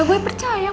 gue percaya kok